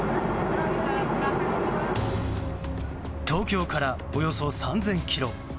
東京からおよそ３０００ｋｍ。